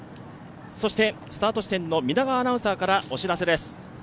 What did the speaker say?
スタート地点の皆川アナウンサーからお知らせです。